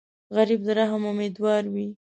غریب د رحم امیدوار وي